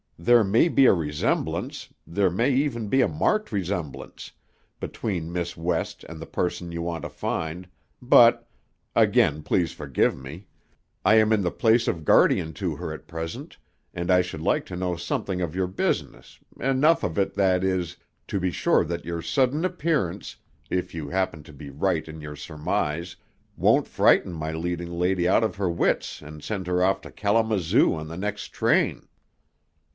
There may be a resemblance, there may even be a marked resemblance, between Miss West and the person you want to find, but again please forgive me I am in the place of guardian to her at present and I should like to know something of your business, enough of it, that is, to be sure that your sudden appearance, if you happen to be right in your surmise, won't frighten my leading lady out of her wits and send her off to Kalamazoo on the next train."